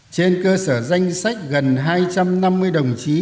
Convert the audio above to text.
trên cơ sở danh sách gần hai trăm năm mươi đồng chí